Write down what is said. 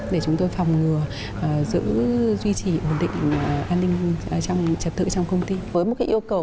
để chúng tôi phòng ngừa giữ duy trì ổn định an ninh trật tự trong công ty với một yêu cầu